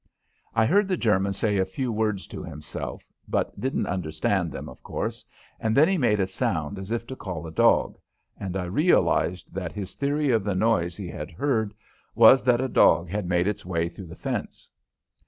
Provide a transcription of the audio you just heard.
I heard the German say a few words to himself, but didn't understand them, of course, and then he made a sound as if to call a dog, and I realized that his theory of the noise he had heard was that a dog had made its way through the fence.